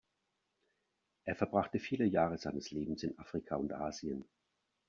Er verbrachte viele Jahre seines Lebens in Afrika und Asien.